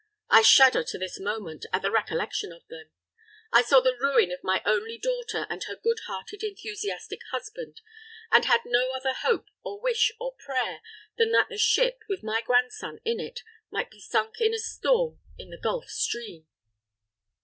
"I shudder to this moment, at the recollection of them! I saw the ruin of my only daughter and her good hearted, enthusiastic husband, and had no other hope or wish or prayer than that the ship, with my grandson in it, might be sunk in a storm in the Gulf Stream!"